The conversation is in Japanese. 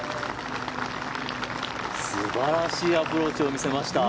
素晴らしいアプローチを見せました。